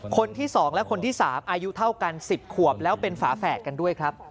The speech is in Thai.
คนที่๒และคนที่๓อายุเท่ากัน๑๐ขวบแล้วเป็นฝาแฝดกันด้วยครับ